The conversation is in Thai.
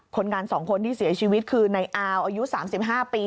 คนงาน๒คนที่เสียชีวิตคือในอาวอายุ๓๕ปี